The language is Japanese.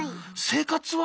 生活は？